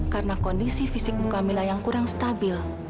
karena kondisi fisik ibu kamila yang kurang stabil